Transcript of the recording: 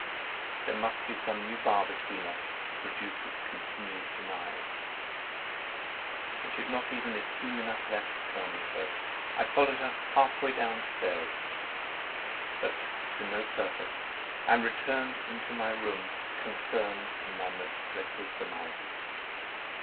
There must be some new bar between us to produce these continued denials; and she had not even esteem enough left to tell me so. I followed her half way down stairs, but to no purpose, and returned into my room, confirmed in my most dreadful surmises.